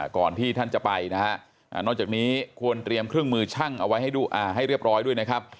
ก่อนที่ท่านจะไปนะฮะนอกจากนี้ควรเตรียมเครื่องมือช่างเอาไว้ให้เรียบร้อยด้วยนะครับ